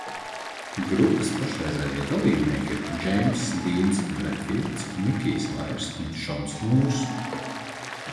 Grupas pašreizējie dalībnieki ir Džeimss Dīns Bredfīlds, Nikijs Vairs un Šons Mūrs.